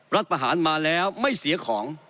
รัฐประหารมาแล้วไม่เสียของ